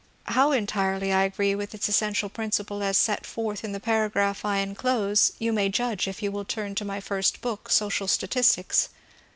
How entirely I agree with its essential principle as set forth in the paragraph I enclose, you may judge if you will turn to my first book, ^^ Social Statics."